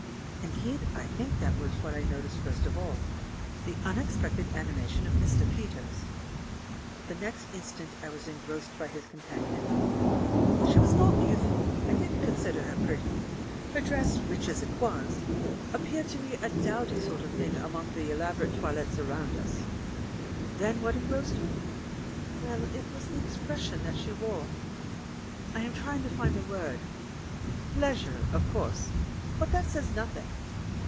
Indeed, I think that was what I noticed first of all — the unexpected ani mation of Mr. Peters. But the next instant I was engrossed by his companion. She was not youthful ; I didn't con sider her pretty; her dress, rich as it was, ap 40 THE MAN WHO UNDERSTOOD WOMEN peared to me a dowdy sort of thing among the elaborate toilettes around us. Then what en grossed me? Well, it was the expression that she wore. I am trying to find the word. "Pleas ure," of course — but that says nothing.